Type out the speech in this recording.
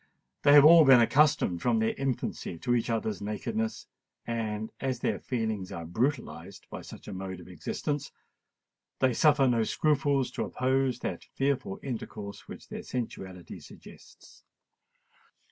They have all been accustomed from their infancy to each other's nakedness; and, as their feelings are brutalised by such a mode of existence, they suffer no scruples to oppose that fearful intercourse which their sensuality suggests.